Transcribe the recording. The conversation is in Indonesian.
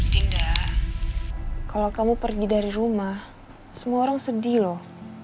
tidak kalau kamu pergi dari rumah semua orang sedih loh